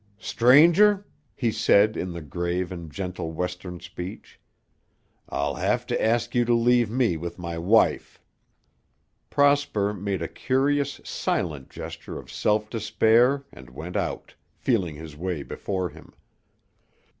"Stranger," he said in the grave and gentle Western speech, "I'll have to ask you to leave me with my wife." Prosper made a curious, silent gesture of self despair and went out, feeling his way before him.